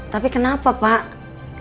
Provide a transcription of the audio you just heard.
tapi kenapa pak